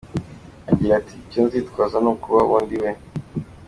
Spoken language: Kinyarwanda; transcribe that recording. Agira ati “Icyo nzitwaza ni ukuba uwo ndiwe.